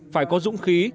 phải có dũng khí